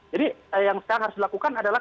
jadi yang sekarang harus dilakukan adalah